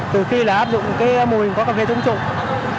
từ khi là áp dụng cái mùi của cà phê trung trục